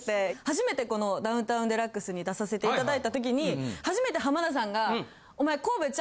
初めてこの『ダウンタウンＤＸ』に出させていただいた時に初めて浜田さんがお前。